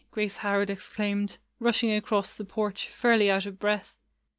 Grace /% Howard exclaimed, rushing across the porch, fairly out of breath.